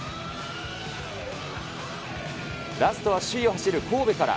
ラストは首位を走る神戸から。